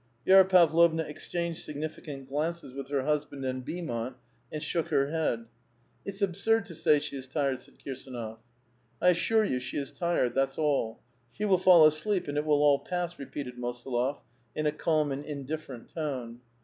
Vi^ra Pavlovna exchanged significant glances \with her husband and Beaumont, and shook her head. *' It's absurd to say she is tired," said Kirsdnof. " I assure you she is tired, that's all. She will fall asleep; and it will all pass," repeated Mosolof, in a calm and indif ferent tone."